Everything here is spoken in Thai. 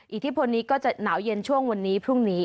อิทธิพลนี้ก็จะหนาวเย็นช่วงวันนี้พรุ่งนี้